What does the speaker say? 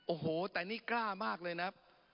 โอ้โหแต่นี่กล้ามากเลยนะ